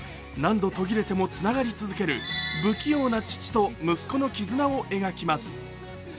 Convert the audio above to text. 何度途切れてもつながり続ける不器用な父と息子の絆を描きます。